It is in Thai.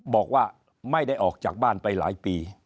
บอกว่าไม่ได้ออกจากบ้านไปหลายปี